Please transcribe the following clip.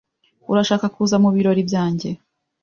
Urashaka kuza mubirori byanjye? )